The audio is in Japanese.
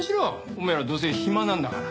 お前らどうせ暇なんだから。